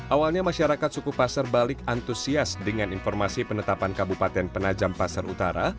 awalnya masyarakat suku pasar balik antusias dengan informasi penetapan kabupaten penajam pasar utara